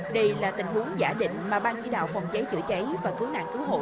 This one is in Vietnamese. đây là tình huống giả định mà ban chỉ đạo phòng cháy chữa cháy và cứu nạn cứu hộ